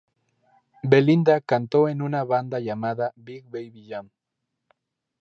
Belinda cantó en una banda llamada "Big Baby Jam".